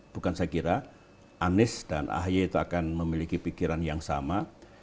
bukan saya kira anies dan ahy itu akan memiliki pikiran yang sama